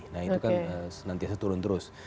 nah itu kan nanti seturun terus